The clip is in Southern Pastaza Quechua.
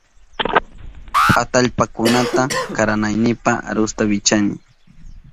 Atallpakunata karanaynipa arusta wichani.